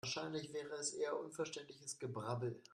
Wahrscheinlich wäre es eher unverständliches Gebrabbel.